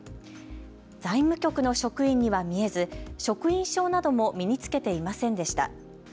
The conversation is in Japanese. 財務局の職員には見えず職員証なども身に着けていませんでした。